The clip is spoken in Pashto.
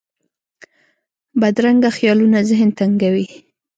بدرنګه خیالونه ذهن تنګوي